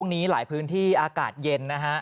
นี้หลายพื้นที่อากาศเย็นนะฮะ